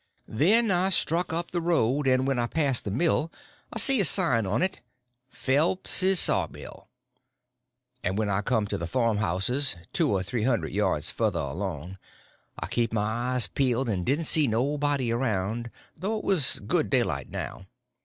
Then I struck up the road, and when I passed the mill I see a sign on it, "Phelps's Sawmill," and when I come to the farm houses, two or three hundred yards further along, I kept my eyes peeled, but didn't see nobody around, though it was good daylight now.